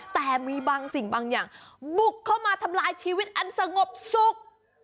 แต่มีบางสิ่งบางอย่างบุกเข้ามาทำลายชีวิตอันสงบสุข